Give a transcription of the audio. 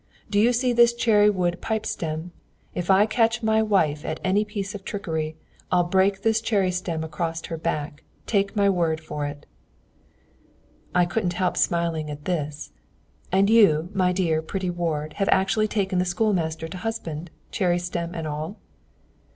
Do you see this cherry wood pipe stem? If I catch my wife at any piece of trickery, I'll break this cherry stem across her back take my word for it.'" I couldn't help smiling at this. "And you, my dear, pretty ward, have actually taken the schoolmaster to husband, cherry stem and all?"